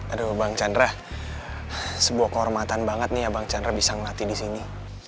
aduh bang chandra sebuah kehormatan banget nih ya bang chandra bisa ngelatih disini